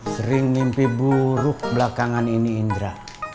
sering mimpi buruk belakangan ini indra